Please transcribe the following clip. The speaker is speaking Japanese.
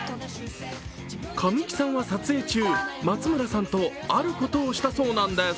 神木さんは撮影中、松村さんとあることをしたそうなんです。